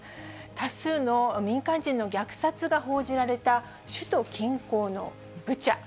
多数の民間人の虐殺が報じられた首都近郊のブチャ。